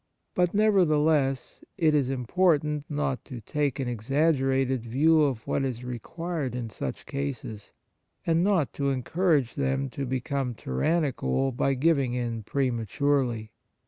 But, nevertheless, it is important not to take an exag gerated view of what is required in such cases, and not to encourage them to become tyrannical by giving in prematurely.